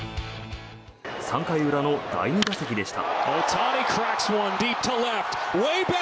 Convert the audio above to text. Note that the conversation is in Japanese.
３回裏の第２打席でした。